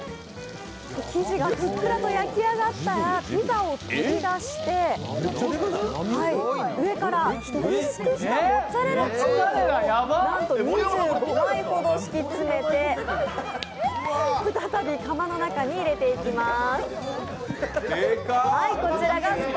生地がふっくらと焼き上がったらピザを取り出して上から薄くしたモッツァラレチーズをなんと２５枚ほど敷き詰めて再び窯の中に入れていきます。